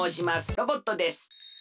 ロボットです。